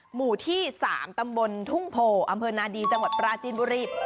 หมู่ที่๓ตำบลทุ่งโพอำเภอนาดีจังหวัดปราจีนบุรี